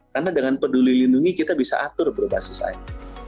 karena dengan peduli lindungi kita bisa atur berbasis it